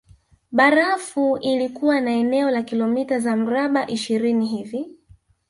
Barafu ilikuwa na eneo la kilomita za mraba ishirini hivi